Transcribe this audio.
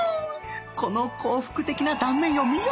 この幸福的な断面を見よ